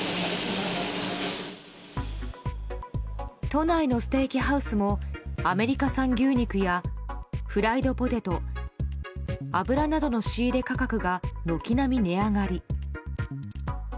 都内のステーキハウスもアメリカ産牛肉やフライドポテト、油などの仕入れ価格が軒並み値上がり。